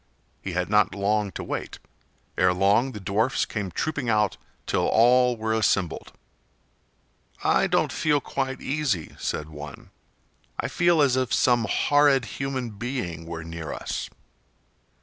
He had not long to wait. Ere long the dwarfs came trooping out till all were assembled. "I don't feel quite easy," said one. "I feel as if some horrid human being were near us."